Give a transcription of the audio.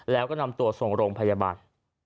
แล้วก็นำตัวส่งโรงพยาบาล